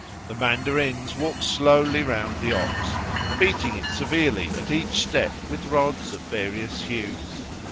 The mandarins walk slowly round the ox, beating it severely at each step with rods of various hues.